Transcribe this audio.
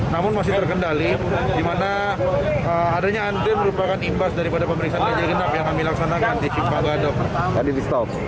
namun masih terkendali